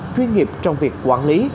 chuyên nghiệp trong việc quản lý